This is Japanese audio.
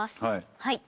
はい。